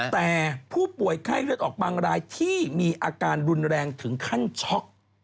แต่ผู้ป่วยไข้เลือดออกบางรายที่มีอาการรุนแรงถึงขั้นช็อก